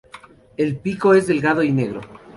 El pico es delgado y negro.